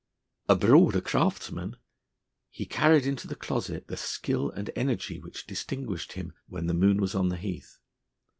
Abroad a craftsman, he carried into the closet the skill and energy which distinguished him when the moon was on the heath.